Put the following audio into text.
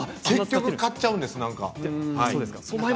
結局買っちゃうんです。